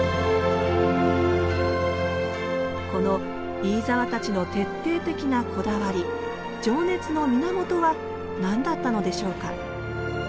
この飯沢たちの徹底的なこだわり情熱の源は何だったのでしょうか。